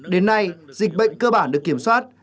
đến nay dịch bệnh cơ bản được kiểm soát